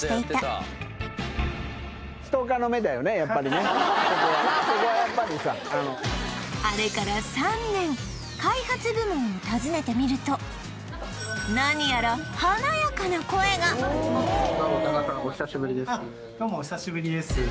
そこはやっぱりさあれから３年開発部門を訪ねてみると何やら華やかな声がどうも多賀さんお久しぶりです